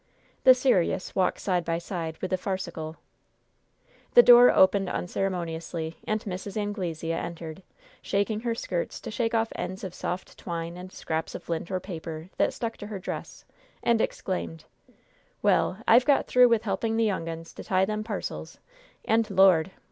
The serious walks side by side with the farcical. The door opened unceremoniously, and Mrs. Anglesea entered, shaking her skirts to shake off ends of soft twine and scraps of lint or paper that stuck to her dress, and exclaimed: "Well, I've got through with helping the young uns to tie them parcels, and, Lord!